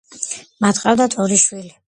მათ ჰყავდათ ორი შვილი.